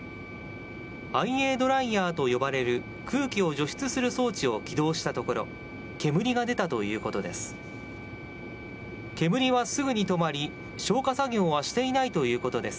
ＩＡドライヤーと呼ばれる空気を除湿する装置を起動したところ、煙が出たということです。